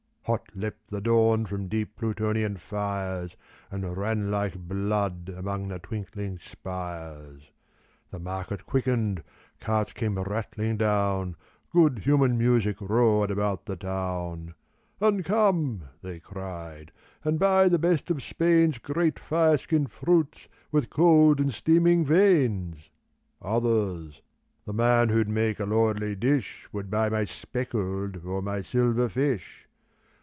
Hot leapt the dawn from deep Plutonian fires And ran like blood among the twinkling spires. The market quickened : carts came rattling down : Good human music roared about the town, " And come," they cried, " and buy the best of Spain's Great fireskinned fruits with cold and streaming veins !" Others, " The man who'd make a lordly dish, Would buy my speckled or my silver fish."